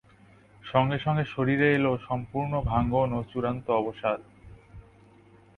সঙ্গে সঙ্গে শরীরে এল সম্পূর্ণ ভাঙন ও চূড়ান্ত অবসাদ।